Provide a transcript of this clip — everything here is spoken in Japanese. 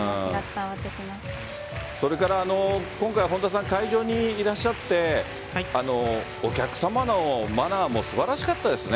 それから今回、本田さん会場にいらっしゃってお客さまのマナーも素晴らしかったですね。